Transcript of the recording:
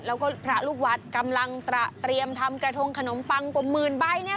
แล้วก็พระลูกวัดกำลังตระเตรียมทำกระทงขนมปังกว่าหมื่นใบเนี่ย